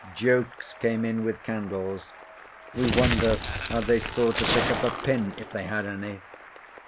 Jokes came in with candles. We wonder how they saw to pick up a pin, if they had any.